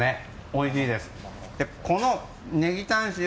おいしいです。